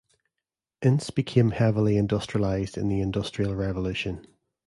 Ince became heavily industrialised in the Industrial Revolution.